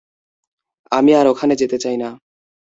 আমি আর ওখানে যেতে চাই না।